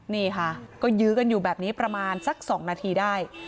นี่ค่ะก็ยื้อกันอยู่แบบนี้ประมาณสัก๒นาทีได้